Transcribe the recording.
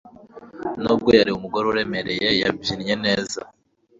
Nubwo yari umugore uremereye yabyinnye neza